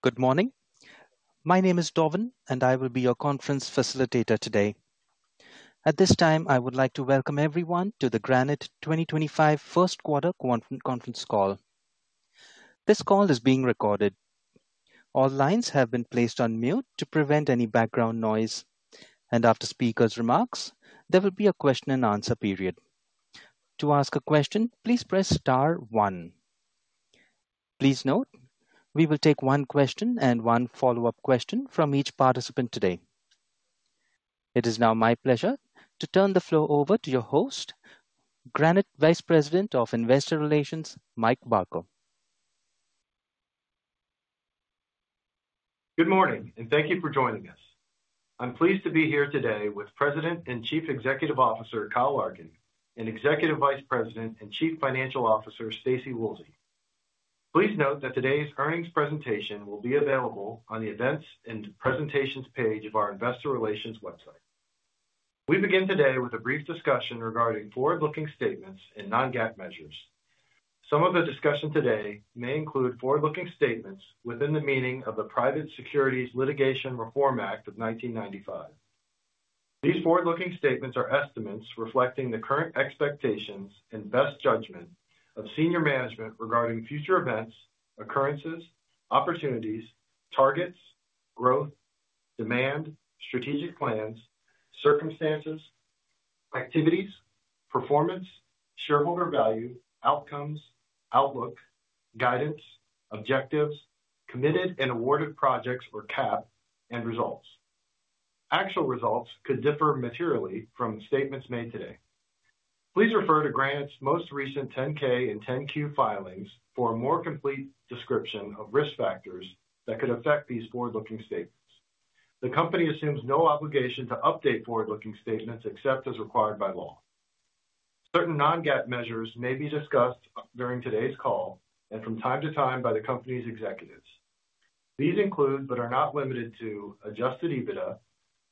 Good morning. My name is Doven, and I will be your conference facilitator today. At this time, I would like to welcome everyone to the Granite 2025 First Quarter Conference Call. This call is being recorded. All lines have been placed on mute to prevent any background noise, and after speakers' remarks, there will be a question-and-answer period. To ask a question, please press star one. Please note, we will take one question and one follow-up question from each participant today. It is now my pleasure to turn the floor over to your host, Granite Vice President of Investor Relations, Mike Barker. Good morning, and thank you for joining us. I'm pleased to be here today with President and Chief Executive Officer Kyle Larkin and Executive Vice President and Chief Financial Officer Staci Woolsey. Please note that today's earnings presentation will be available on the Events and Presentations page of our Investor Relations website. We begin today with a brief discussion regarding forward-looking statements and non-GAAP measures. Some of the discussion today may include forward-looking statements within the meaning of the Private Securities Litigation Reform Act of 1995. These forward-looking statements are estimates reflecting the current expectations and best judgment of senior management regarding future events, occurrences, opportunities, targets, growth, demand, strategic plans, circumstances, activities, performance, shareholder value, outcomes, outlook, guidance, objectives, Committed and Awarded Projects, or CAP, and results. Actual results could differ materially from statements made today. Please refer to Granite's most recent 10-K and 10-Q filings for a more complete description of risk factors that could affect these forward-looking statements. The company assumes no obligation to update forward-looking statements except as required by law. Certain non-GAAP measures may be discussed during today's call and from time to time by the company's executives. These include, but are not limited to, Adjusted EBITDA,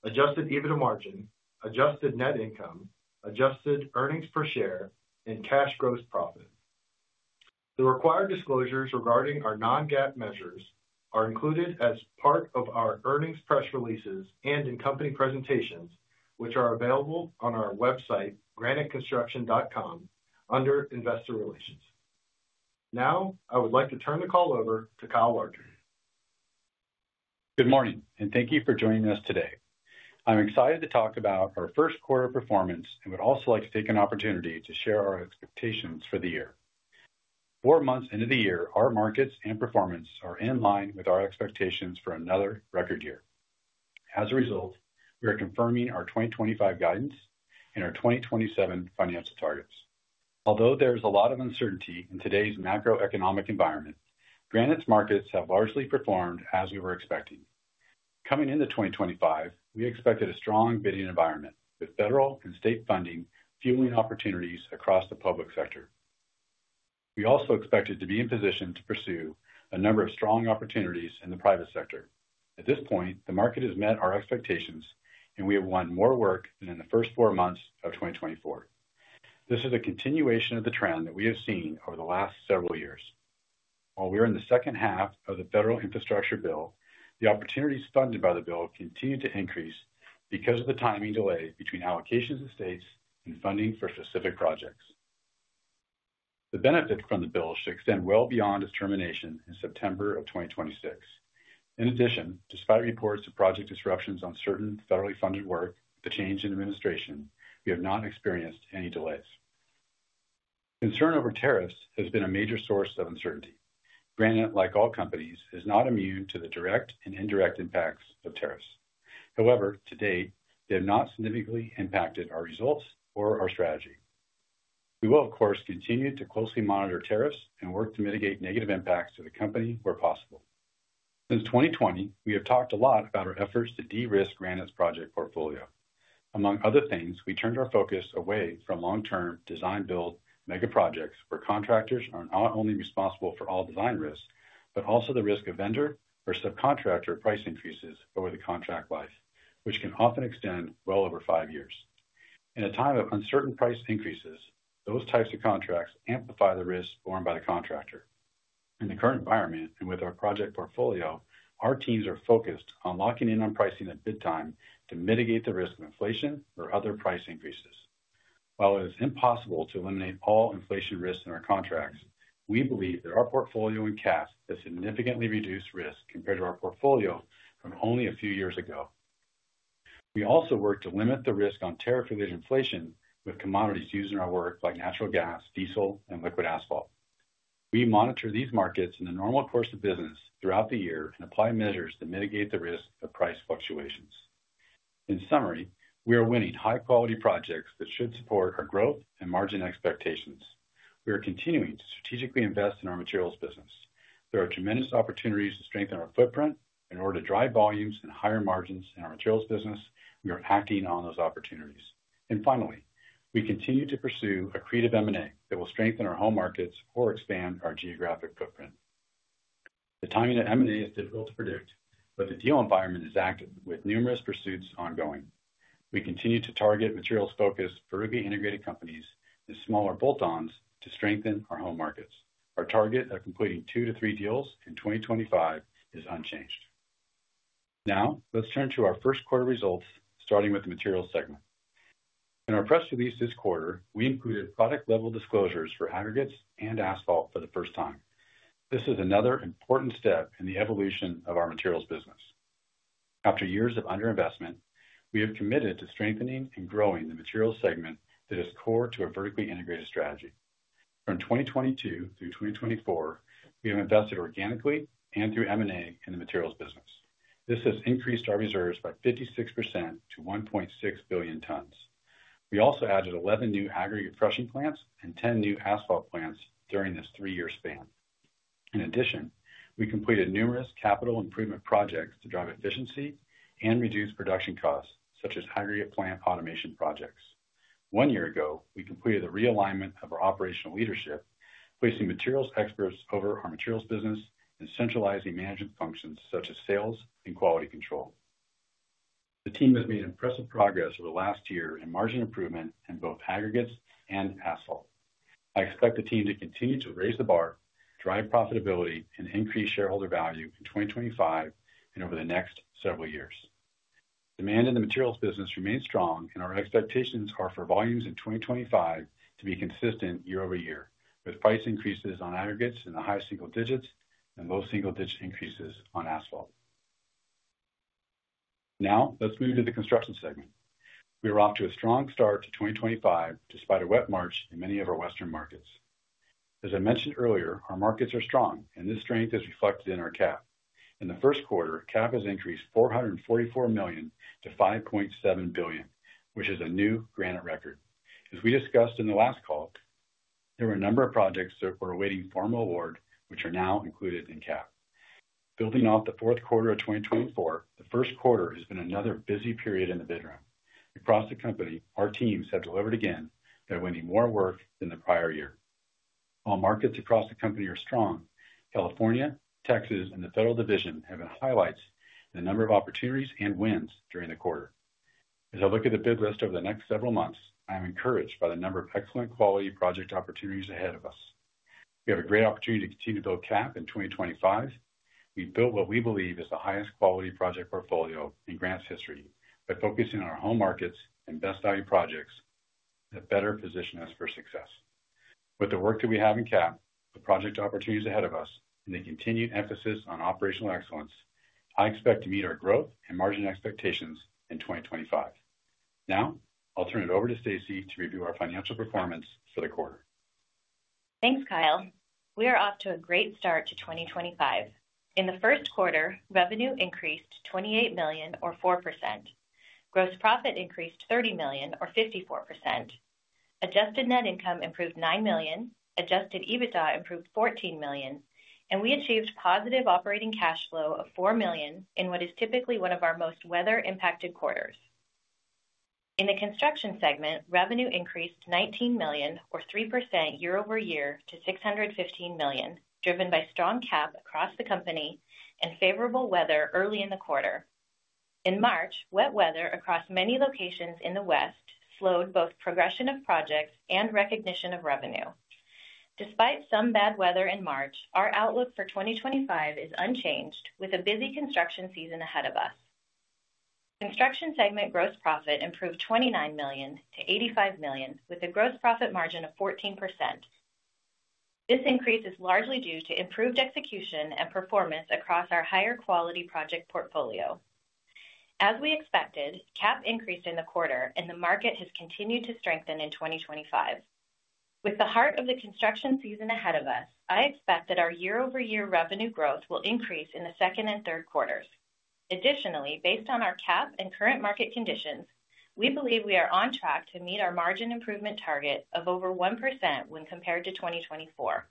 Adjusted EBITDA margin, Adjusted Net Income, Adjusted earnings per share, and Cash Gross Profit. The required disclosures regarding our non-GAAP measures are included as part of our earnings press releases and in company presentations, which are available on our website, graniteconstruction.com, under Investor Relations. Now, I would like to turn the call over to Kyle Larkin. Good morning, and thank you for joining us today. I'm excited to talk about our first quarter performance and would also like to take an opportunity to share our expectations for the year. Four months into the year, our markets and performance are in line with our expectations for another record year. As a result, we are confirming our 2025 guidance and our 2027 financial targets. Although there is a lot of uncertainty in today's macroeconomic environment, Granite's markets have largely performed as we were expecting. Coming into 2025, we expected a strong bidding environment with federal and state funding fueling opportunities across the public sector. We also expected to be in position to pursue a number of strong opportunities in the private sector. At this point, the market has met our expectations, and we have won more work than in the first four months of 2024. This is a continuation of the trend that we have seen over the last several years. While we are in the second half of the federal infrastructure bill, the opportunities funded by the bill continue to increase because of the timing delay between allocations to states and funding for specific projects. The benefit from the bill should extend well beyond its termination in September of 2026. In addition, despite reports of project disruptions on certain federally funded work with the change in administration, we have not experienced any delays. Concern over tariffs has been a major source of uncertainty. Granite, like all companies, is not immune to the direct and indirect impacts of tariffs. However, to date, they have not significantly impacted our results or our strategy. We will, of course, continue to closely monitor tariffs and work to mitigate negative impacts to the company where possible. Since 2020, we have talked a lot about our efforts to de-risk Granite's project portfolio. Among other things, we turned our focus away from long-term design-build mega projects where contractors are not only responsible for all design risk, but also the risk of vendor or subcontractor price increases over the contract life, which can often extend well over five years. In a time of uncertain price increases, those types of contracts amplify the risk borne by the contractor. In the current environment and with our project portfolio, our teams are focused on locking in on pricing at bid time to mitigate the risk of inflation or other price increases. While it is impossible to eliminate all inflation risks in our contracts, we believe that our portfolio in CAP has significantly reduced risk compared to our portfolio from only a few years ago. We also work to limit the risk on tariff-related inflation with commodities used in our work like natural gas, diesel, and liquid asphalt. We monitor these markets in the normal course of business throughout the year and apply measures to mitigate the risk of price fluctuations. In summary, we are winning high-quality projects that should support our growth and margin expectations. We are continuing to strategically invest in our materials business. There are tremendous opportunities to strengthen our footprint. In order to drive volumes and higher margins in our materials business, we are acting on those opportunities. Finally, we continue to pursue accretive M&A that will strengthen our home markets or expand our geographic footprint. The timing of M&A is difficult to predict, but the deal environment is active with numerous pursuits ongoing. We continue to target materials-focused, vertically integrated companies, and smaller bolt-ons to strengthen our home markets. Our target of completing two to three deals in 2025 is unchanged. Now, let's turn to our first quarter results, starting with the materials segment. In our press release this quarter, we included product-level disclosures for aggregates and asphalt for the first time. This is another important step in the evolution of our materials business. After years of underinvestment, we have committed to strengthening and growing the materials segment that is core to a vertically integrated strategy. From 2022 through 2024, we have invested organically and through M&A in the materials business. This has increased our reserves by 36% to 1.6 billion tons. We also added 11 new aggregate crushing plants and 10 new asphalt plants during this three-year span. In addition, we completed numerous capital improvement projects to drive efficiency and reduce production costs, such as aggregate plant automation projects. One year ago, we completed the realignment of our operational leadership, placing materials experts over our materials business and centralizing management functions such as sales and quality control. The team has made impressive progress over the last year in margin improvement in both aggregates and asphalt. I expect the team to continue to raise the bar, drive profitability, and increase shareholder value in 2025 and over the next several years. Demand in the materials business remains strong, and our expectations are for volumes in 2025 to be consistent year-over-year, with price increases on aggregates in the high single digits and low single digit increases on asphalt. Now, let's move to the construction segment. We are off to a strong start to 2025 despite a wet March in many of our Western markets. As I mentioned earlier, our markets are strong, and this strength is reflected in our CAP. In the first quarter, CAP has increased $444 million to $5.7 billion, which is a new Granite record. As we discussed in the last call, there were a number of projects that were awaiting formal award, which are now included in CAP. Building off the fourth quarter of 2024, the first quarter has been another busy period in the bid room. Across the company, our teams have delivered again by winning more work than the prior year. While markets across the company are strong, California, Texas, and the federal division have been highlights in the number of opportunities and wins during the quarter. As I look at the bid list over the next several months, I am encouraged by the number of excellent quality project opportunities ahead of us. We have a great opportunity to continue to build CAP in 2025. We've built what we believe is the highest quality project portfolio in Granite's history by focusing on our home markets and best-value projects that better position us for success. With the work that we have in CAP, the project opportunities ahead of us, and the continued emphasis on operational excellence, I expect to meet our growth and margin expectations in 2025. Now, I'll turn it over to Staci to review our financial performance for the quarter. Thanks, Kyle. We are off to a great start to 2025. In the first quarter, revenue increased $28 million, or 4%. Gross profit increased $30 million, or 54%. Adjusted Net Income improved $9 million. Adjusted EBITDA improved $14 million. We achieved positive operating cash flow of $4 million in what is typically one of our most weather-impacted quarters. In the construction segment, revenue increased $19 million, or 3% year-over-year, to $615 million, driven by strong CAP across the company and favorable weather early in the quarter. In March, wet weather across many locations in the West slowed both progression of projects and recognition of revenue. Despite some bad weather in March, our outlook for 2025 is unchanged, with a busy construction season ahead of us. Construction segment gross profit improved $29 million to $85 million, with a gross profit margin of 14%. This increase is largely due to improved execution and performance across our higher quality project portfolio. As we expected, CAP increased in the quarter, and the market has continued to strengthen in 2025. With the heart of the construction season ahead of us, I expect that our year-over-year revenue growth will increase in the second and third quarters. Additionally, based on our CAP and current market conditions, we believe we are on track to meet our margin improvement target of over 1% when compared to 2024.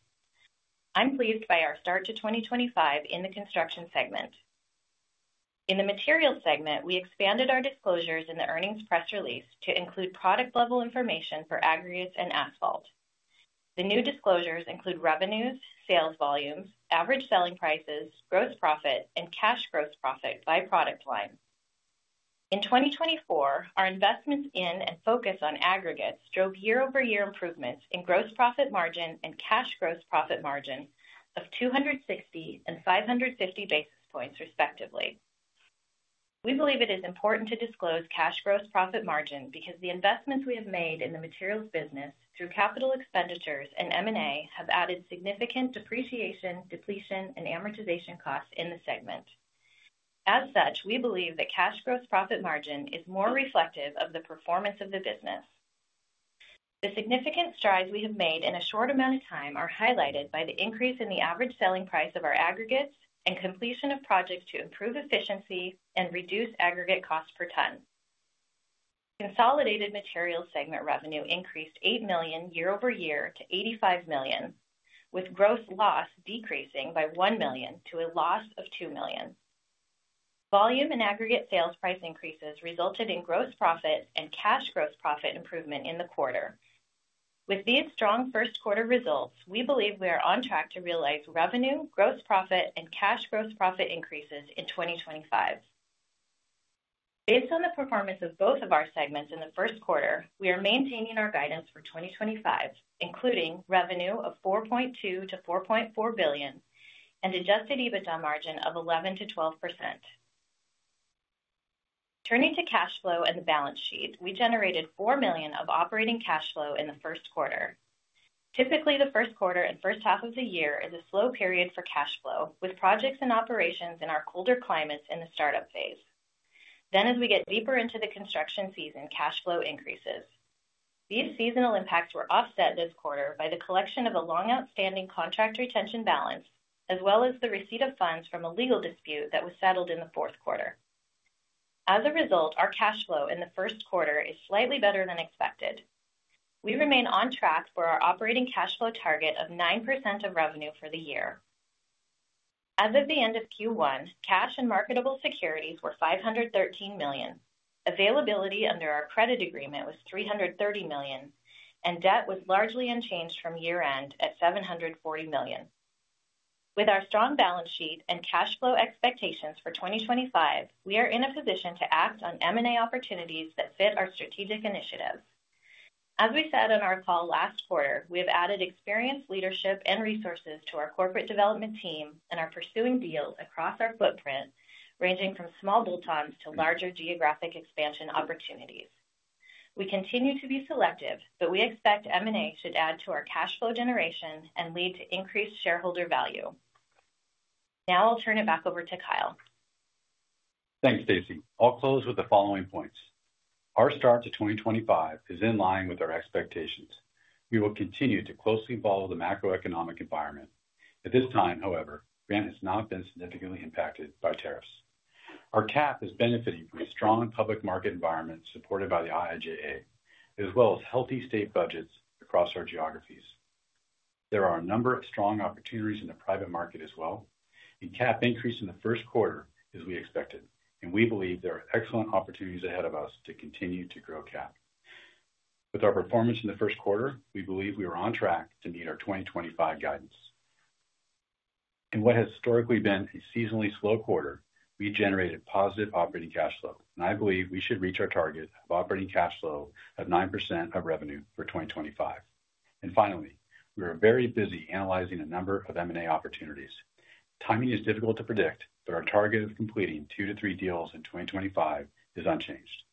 I'm pleased by our start to 2025 in the construction segment. In the materials segment, we expanded our disclosures in the earnings press release to include product-level information for aggregates and asphalt. The new disclosures include revenues, sales volumes, average selling prices, gross profit, and Cash Gross Profit by product line. In 2024, our investments in and focus on aggregates drove year-over-year improvements in gross profit margin and Cash Gross Profit margin of 260 and 550 basis points, respectively. We believe it is important to disclose Cash Gross Profit margin because the investments we have made in the materials business through capital expenditures and M&A have added significant depreciation, depletion, and amortization costs in the segment. As such, we believe that Cash Gross Profit margin is more reflective of the performance of the business. The significant strides we have made in a short amount of time are highlighted by the increase in the average selling price of our aggregates and completion of projects to improve efficiency and reduce aggregate cost per ton. Consolidated materials segment revenue increased $8 million year-over-year to $85 million, with gross loss decreasing by $1 million to a loss of $2 million. Volume and aggregate sales price increases resulted in gross profit and Cash Gross Profit improvement in the quarter. With these strong first quarter results, we believe we are on track to realize revenue, gross profit, and Cash Gross Profit increases in 2025. Based on the performance of both of our segments in the first quarter, we are maintaining our guidance for 2025, including revenue of $4.2 billion-$4.4 billion and Adjusted EBITDA margin of 11%-12%. Turning to cash flow and the balance sheet, we generated $4 million of operating cash flow in the first quarter. Typically, the first quarter and first half of the year is a slow period for cash flow, with projects and operations in our colder climates in the startup phase. As we get deeper into the construction season, cash flow increases. These seasonal impacts were offset this quarter by the collection of a long-outstanding contract retention balance, as well as the receipt of funds from a legal dispute that was settled in the fourth quarter. As a result, our cash flow in the first quarter is slightly better than expected. We remain on track for our operating cash flow target of 9% of revenue for the year. As of the end of Q1, cash and marketable securities were $513 million. Availability under our credit agreement was $330 million, and debt was largely unchanged from year-end at $740 million. With our strong balance sheet and cash flow expectations for 2025, we are in a position to act on M&A opportunities that fit our strategic initiative. As we said on our call last quarter, we have added experience, leadership, and resources to our corporate development team and are pursuing deals across our footprint, ranging from small bolt-ons to larger geographic expansion opportunities. We continue to be selective, but we expect M&A should add to our cash flow generation and lead to increased shareholder value. Now, I'll turn it back over to Kyle. Thanks, Staci. I'll close with the following points. Our start to 2025 is in line with our expectations. We will continue to closely follow the macroeconomic environment. At this time, however, Granite has not been significantly impacted by tariffs. Our CAP is benefiting from a strong public market environment supported by the IIJA, as well as healthy state budgets across our geographies. There are a number of strong opportunities in the private market as well. CAP increased in the first quarter, as we expected. We believe there are excellent opportunities ahead of us to continue to grow CAP. With our performance in the first quarter, we believe we are on track to meet our 2025 guidance. In what has historically been a seasonally slow quarter, we generated positive operating cash flow. I believe we should reach our target of operating cash flow of 9% of revenue for 2025. Finally, we are very busy analyzing a number of M&A opportunities. Timing is difficult to predict, but our target of completing two to three deals in 2025 is unchanged.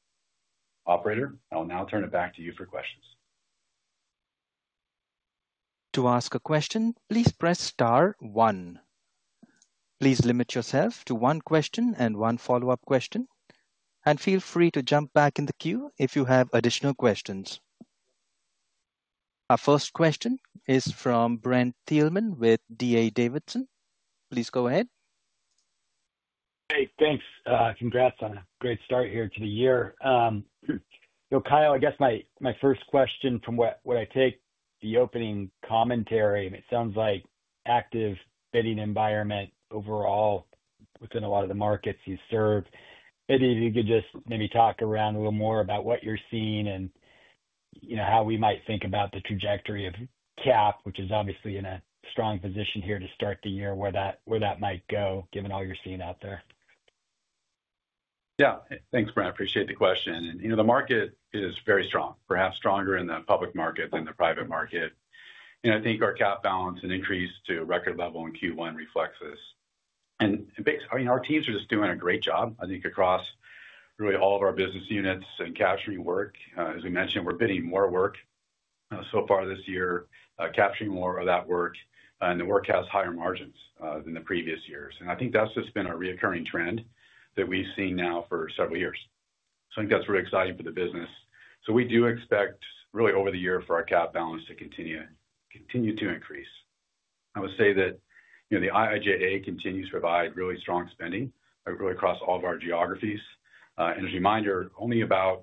Operator, I'll now turn it back to you for questions. To ask a question, please press star one. Please limit yourself to one question and one follow-up question. Feel free to jump back in the queue if you have additional questions. Our first question is from Brent Thielman with D.A. Davidson. Please go ahead. Hey, thanks. Congrats on a great start here to the year. Kyle, I guess my first question from what I take the opening commentary, and it sounds like an active bidding environment overall within a lot of the markets you serve. Maybe if you could just maybe talk around a little more about what you're seeing and how we might think about the trajectory of CAP, which is obviously in a strong position here to start the year, where that might go, given all you're seeing out there. Yeah, thanks, Brent. I appreciate the question. The market is very strong, perhaps stronger in the public market than the private market. I think our CAP balance and increase to a record level in Q1 reflects this. Our teams are just doing a great job, I think, across really all of our business units and capturing work. As we mentioned, we're bidding more work so far this year, capturing more of that work. The work has higher margins than the previous years. I think that's just been a reoccurring trend that we've seen now for several years. I think that's really exciting for the business. We do expect really over the year for our CAP balance to continue to increase. I would say that the IIJA continues to provide really strong spending really across all of our geographies. As a reminder, only about,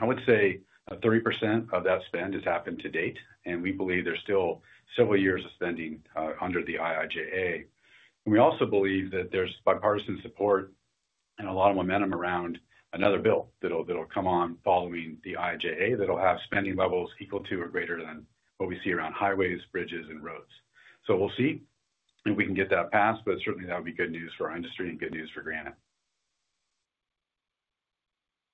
I would say, 30% of that spend has happened to date. We believe there's still several years of spending under the IIJA. We also believe that there's bipartisan support and a lot of momentum around another bill that'll come on following the IIJA that'll have spending levels equal to or greater than what we see around highways, bridges, and roads. We'll see if we can get that passed, but certainly that would be good news for our industry and good news for Granite.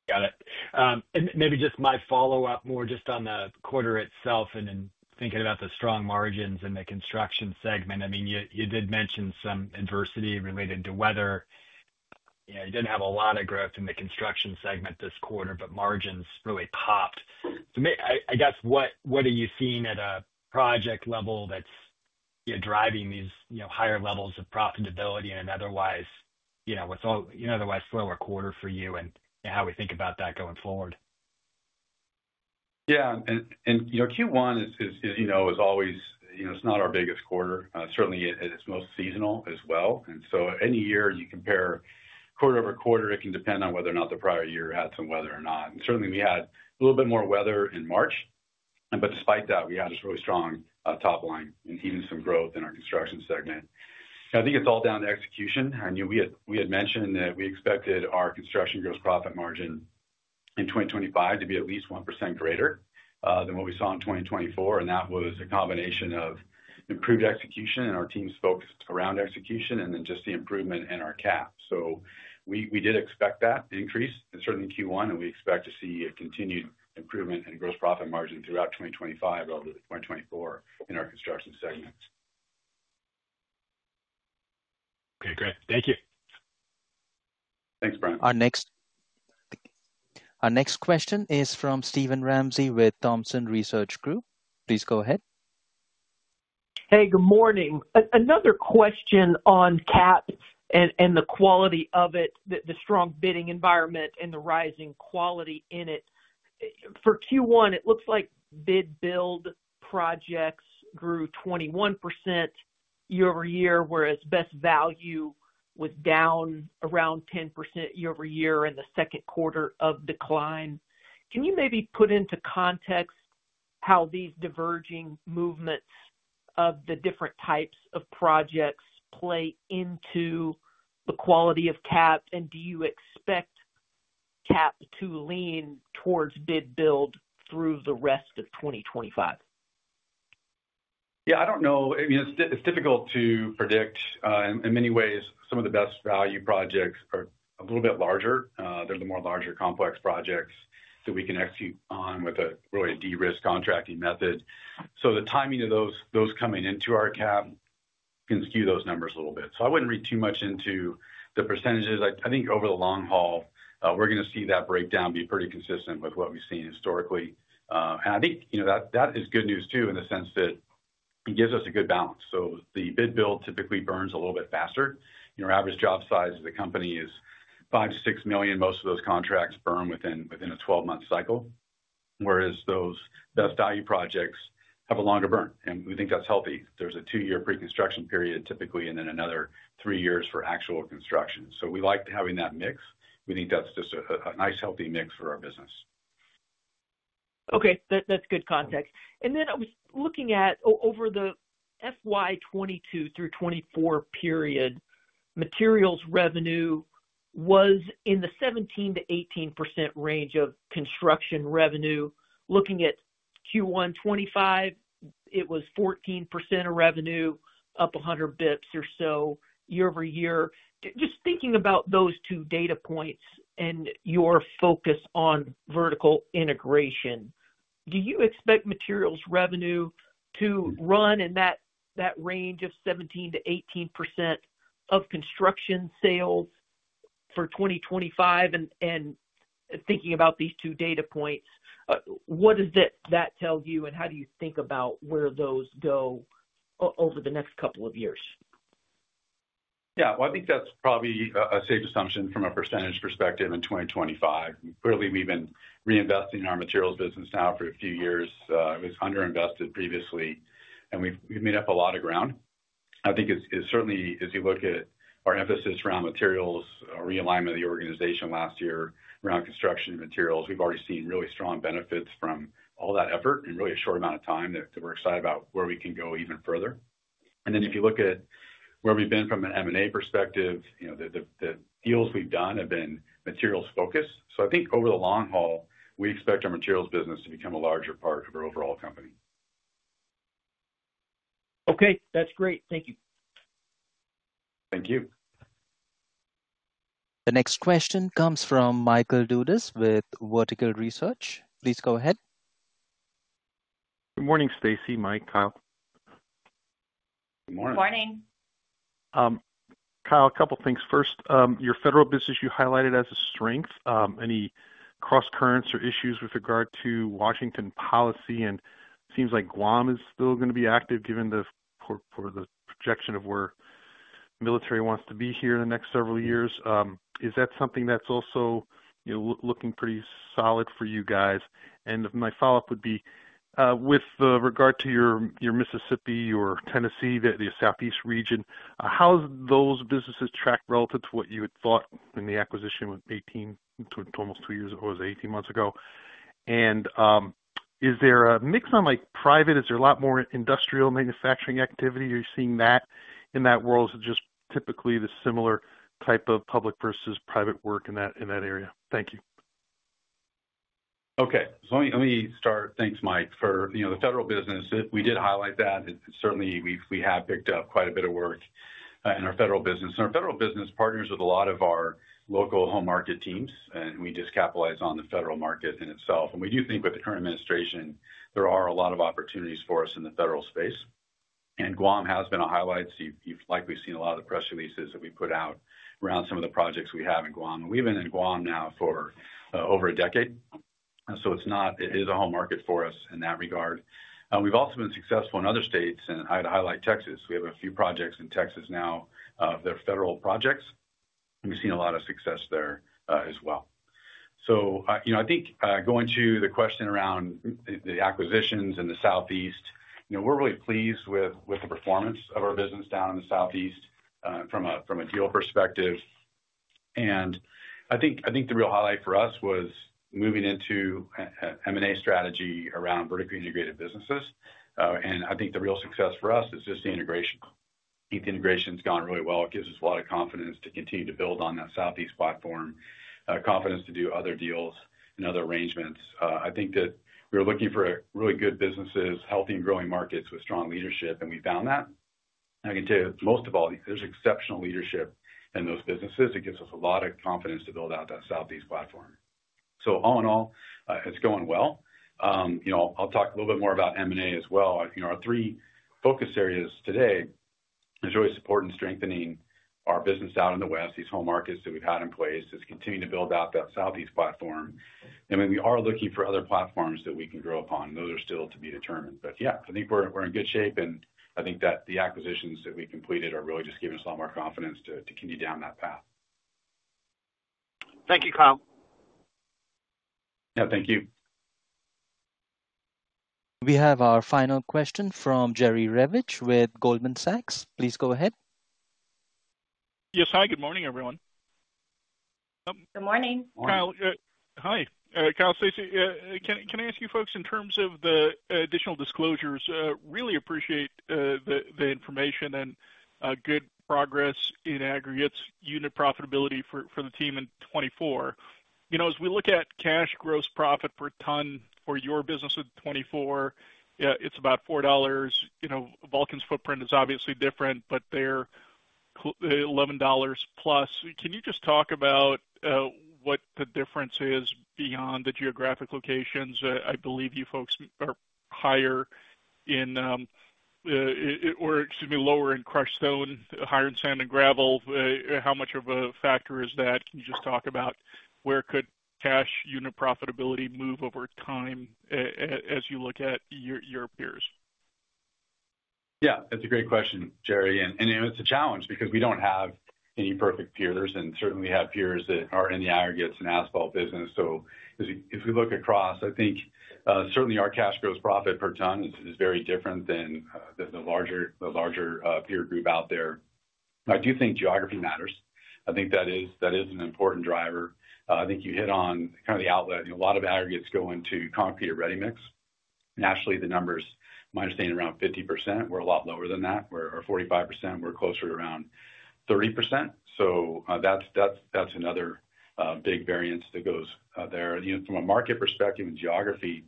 Got it. Maybe just my follow-up more just on the quarter itself and then thinking about the strong margins in the construction segment. I mean, you did mention some adversity related to weather. You did not have a lot of growth in the construction segment this quarter, but margins really popped. I guess what are you seeing at a project level that is driving these higher levels of profitability in an otherwise slower quarter for you and how we think about that going forward? Yeah. Q1, as always, it's not our biggest quarter. Certainly, it's most seasonal as well. Any year you compare quarter over quarter, it can depend on whether or not the prior year had some weather or not. Certainly, we had a little bit more weather in March. Despite that, we had a really strong top line and even some growth in our construction segment. I think it's all down to execution. I knew we had mentioned that we expected our construction gross profit margin in 2025 to be at least 1% greater than what we saw in 2024. That was a combination of improved execution and our team's focus around execution and then just the improvement in our CAP. We did expect that increase in certainly Q1, and we expect to see a continued improvement in gross profit margin throughout 2025 over 2024 in our construction segments. Okay, great. Thank you. Thanks, Brent. Our next question is from Steven Ramsey with Thompson Research Group. Please go ahead. Hey, good morning. Another question on CAP and the quality of it, the strong bidding environment and the rising quality in it. For Q1, it looks like bid-build projects grew 21% year-over-year, whereas best value was down around 10% year-over-year in the second quarter of decline. Can you maybe put into context how these diverging movements of the different types of projects play into the quality of CAP, and do you expect CAP to lean towards bid-build through the rest of 2025? Yeah, I don't know. I mean, it's difficult to predict. In many ways, some of the best value projects are a little bit larger. They're the more larger complex projects that we can execute on with a really de-risk contracting method. The timing of those coming into our CAP can skew those numbers a little bit. I wouldn't read too much into the percentages. I think over the long haul, we're going to see that breakdown be pretty consistent with what we've seen historically. I think that is good news too in the sense that it gives us a good balance. The bid-build typically burns a little bit faster. Your average job size of the company is $5 million-$6 million. Most of those contracts burn within a 12-month cycle, whereas those best value projects have a longer burn. We think that's healthy. There's a two-year pre-construction period typically, and then another three years for actual construction. We like having that mix. We think that's just a nice healthy mix for our business. Okay, that's good context. I was looking at over the FY 2022 through 2024 period, materials revenue was in the 17%-18% range of construction revenue. Looking at Q1 2025, it was 14% of revenue, up 100 basis points or so year-over-year. Just thinking about those two data points and your focus on vertical integration, do you expect materials revenue to run in that range of 17%-18% of construction sales for 2025? Thinking about these two data points, what does that tell you, and how do you think about where those go over the next couple of years? Yeah, I think that's probably a safe assumption from a percentage perspective in 2025. Clearly, we've been reinvesting in our materials business now for a few years. It was underinvested previously, and we've made up a lot of ground. I think it's certainly, as you look at our emphasis around materials, realignment of the organization last year around construction materials, we've already seen really strong benefits from all that effort in really a short amount of time that we're excited about where we can go even further. If you look at where we've been from an M&A perspective, the deals we've done have been materials-focused. I think over the long haul, we expect our materials business to become a larger part of our overall company. Okay, that's great. Thank you. Thank you. The next question comes from Michael Dudas with Vertical Research. Please go ahead. Good morning, Staci, Mike, Kyle. Good morning. Good morning. Kyle, a couple of things. First, your federal business you highlighted as a strength. Any cross currents or issues with regard to Washington policy? It seems like Guam is still going to be active given the projection of where the military wants to be here in the next several years. Is that something that's also looking pretty solid for you guys? My follow-up would be with regard to your Mississippi, your Tennessee, the Southeast region, how do those businesses track relative to what you had thought in the acquisition of 2018 to almost two years or was it 18 months ago? Is there a mix on private, is there a lot more industrial manufacturing activity? Are you seeing that in that world? Is it just typically the similar type of public versus private work in that area? Thank you. Okay. Let me start. Thanks, Mike. For the federal business, we did highlight that. Certainly, we have picked up quite a bit of work in our federal business. Our federal business partners with a lot of our local home market teams, and we just capitalize on the federal market in itself. We do think with the current administration, there are a lot of opportunities for us in the federal space. Guam has been a highlight. You have likely seen a lot of the press releases that we put out around some of the projects we have in Guam. We have been in Guam now for over a decade. It is a home market for us in that regard. We have also been successful in other states, and I would highlight Texas. We have a few projects in Texas now of their federal projects. We've seen a lot of success there as well. I think going to the question around the acquisitions in the Southeast, we're really pleased with the performance of our business down in the Southeast from a deal perspective. I think the real highlight for us was moving into M&A strategy around vertically integrated businesses. I think the real success for us is just the integration. I think the integration has gone really well. It gives us a lot of confidence to continue to build on that Southeast platform, confidence to do other deals and other arrangements. I think that we were looking for really good businesses, healthy and growing markets with strong leadership, and we found that. I can tell you, most of all, there's exceptional leadership in those businesses. It gives us a lot of confidence to build out that Southeast platform. All in all, it's going well. I'll talk a little bit more about M&A as well. Our three focus areas today are really supporting and strengthening our business out in the West, these home markets that we've had in place, is continuing to build out that Southeast platform. We are looking for other platforms that we can grow upon. Those are still to be determined. Yeah, I think we're in good shape. I think that the acquisitions that we completed are really just giving us a lot more confidence to continue down that path. Thank you, Kyle. Yeah, thank you. We have our final question from Jerry Revich with Goldman Sachs. Please go ahead. Yes, hi, good morning, everyone. Good morning. Kyle. Hi. Kyle, Staci, can I ask you folks in terms of the additional disclosures? Really appreciate the information and good progress in aggregates unit profitability for the team in 2024. As we look at Cash Gross Profit per ton for your business in 2024, it's about $4. Vulcan's footprint is obviously different, but they're $11 plus. Can you just talk about what the difference is beyond the geographic locations? I believe you folks are higher in, or excuse me, lower in crushed stone, higher in sand and gravel. How much of a factor is that? Can you just talk about where could cash unit profitability move over time as you look at your peers? Yeah, that's a great question, Jerry. It's a challenge because we don't have any perfect peers. Certainly, we have peers that are in the aggregates and asphalt business. If we look across, I think certainly our Cash Gross Profit per ton is very different than the larger peer group out there. I do think geography matters. I think that is an important driver. I think you hit on kind of the outlet. A lot of aggregates go into concrete or ready mix. Naturally, the numbers, my understanding, are around 50%. We're a lot lower than that. We're 45%. We're closer to around 30%. That's another big variance that goes there. From a market perspective and geography,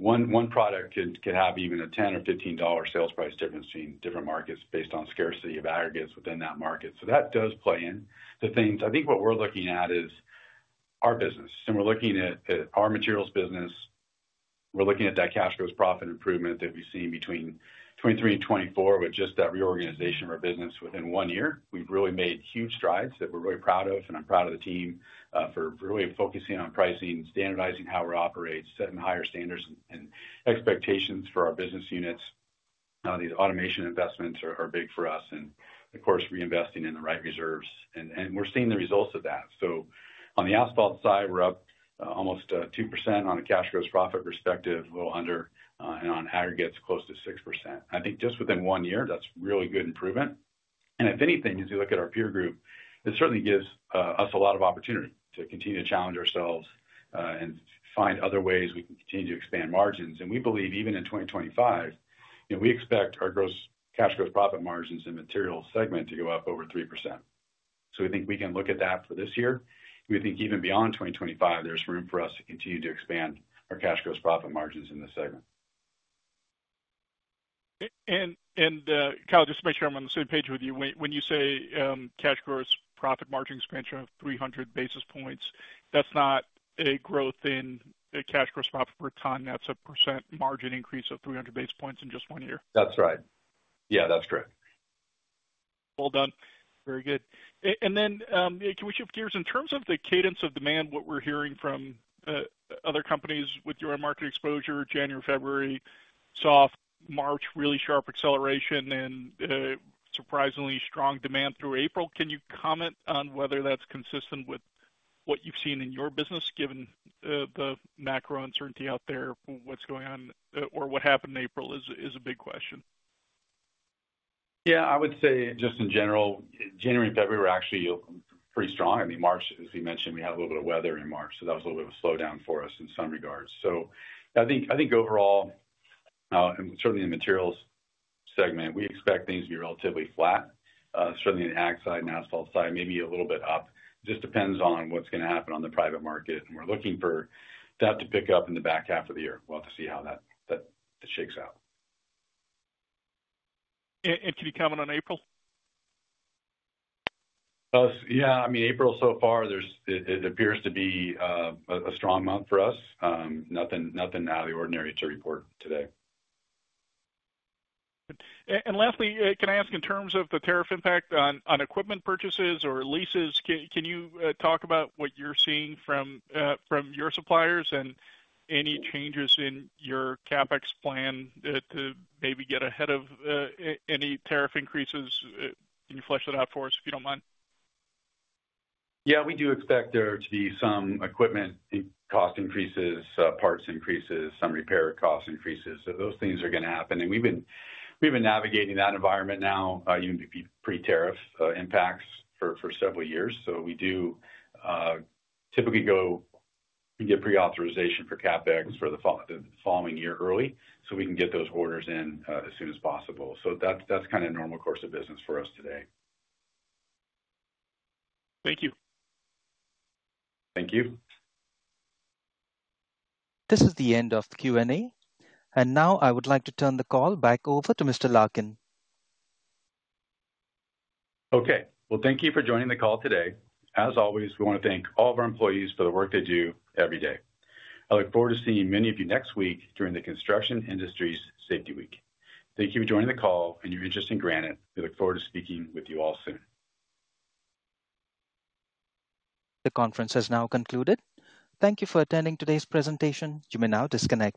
one product could have even a $10 or $15 sales price difference between different markets based on scarcity of aggregates within that market. That does play into things. I think what we're looking at is our business. We're looking at our materials business. We're looking at that Cash Gross Profit improvement that we've seen between 2023 and 2024 with just that reorganization of our business within one year. We've really made huge strides that we're really proud of. I'm proud of the team for really focusing on pricing, standardizing how we operate, setting higher standards and expectations for our business units. These automation investments are big for us, of course, reinvesting in the right reserves. We're seeing the results of that. On the asphalt side, we're up almost 2% on a Cash Gross Profit perspective, a little under, and on aggregates, close to 6%. I think just within one year, that's really good improvement. If anything, as you look at our peer group, it certainly gives us a lot of opportunity to continue to challenge ourselves and find other ways we can continue to expand margins. We believe even in 2025, we expect our Cash Gross Profit margins in the materials segment to go up over 3%. We think we can look at that for this year. We think even beyond 2025, there is room for us to continue to expand our Cash Gross Profit margins in the segment. Kyle, just to make sure I'm on the same page with you, when you say Cash Gross Profit margin expansion of 300 basis points, that's not a growth in Cash Gross Profit per ton. That's a percent margin increase of 300 basis points in just one year. That's right. Yeah, that's correct. Very good. Can we shift gears in terms of the cadence of demand, what we're hearing from other companies with your market exposure, January, February, soft, March, really sharp acceleration, and surprisingly strong demand through April? Can you comment on whether that's consistent with what you've seen in your business, given the macro uncertainty out there? What's going on or what happened in April is a big question. Yeah, I would say. Just in general, January and February were actually pretty strong. I mean, March, as we mentioned, we had a little bit of weather in March. That was a little bit of a slowdown for us in some regards. I think overall, and certainly in the materials segment, we expect things to be relatively flat, certainly in the ag side and asphalt side, maybe a little bit up. It just depends on what's going to happen on the private market. We're looking for that to pick up in the back half of the year. We'll have to see how that shakes out. Can you comment on April? Yeah. I mean, April so far, it appears to be a strong month for us. Nothing out of the ordinary to report today. Lastly, can I ask in terms of the tariff impact on equipment purchases or leases? Can you talk about what you're seeing from your suppliers and any changes in your CapEx plan to maybe get ahead of any tariff increases? Can you flesh that out for us if you do not mind? Yeah, we do expect there to be some equipment cost increases, parts increases, some repair cost increases. Those things are going to happen. We have been navigating that environment now, even pre-tariff impacts for several years. We do typically go and get pre-authorization for CapEx for the following year early so we can get those orders in as soon as possible. That is kind of a normal course of business for us today. Thank you. Thank you. This is the end of Q&A. I would like to turn the call back over to Mr. Larkin. Thank you for joining the call today. As always, we want to thank all of our employees for the work they do every day. I look forward to seeing many of you next week during the Construction Industries Safety Week. Thank you for joining the call and your interest in Granite. We look forward to speaking with you all soon. The conference has now concluded. Thank you for attending today's presentation. You may now disconnect.